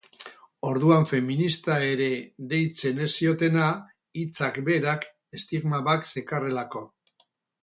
Orduan feminista ere deitzen ez ziotena, hitzak berak estigma bat zekarrelako.